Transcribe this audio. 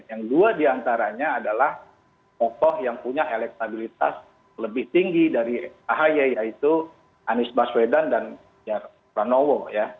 yang dua diantaranya adalah tokoh yang punya elektabilitas lebih tinggi dari ahi yaitu anies baswedan dan pranowo ya